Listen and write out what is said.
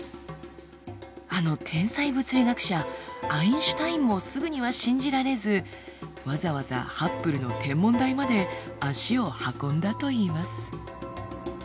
あの天才物理学者アインシュタインもすぐには信じられずわざわざハッブルの天文台まで足を運んだといいます。